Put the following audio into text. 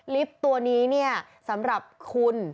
ตัวนี้เนี่ยสำหรับคุณ